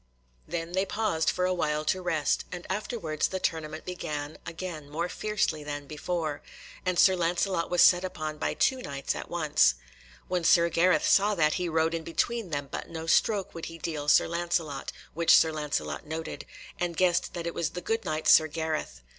Then they paused for a while to rest, and afterwards the tournament began again more fiercely than before, and Sir Lancelot was set upon by two Knights at once. When Sir Gareth saw that, he rode in between them, but no stroke would he deal Sir Lancelot, which Sir Lancelot noted, and guessed that it was the good Knight Sir Gareth.